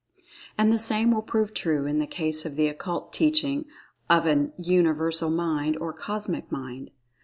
And the same will prove true in the case of the Occult Teaching of an Universal Mind, or Cosmic Mind.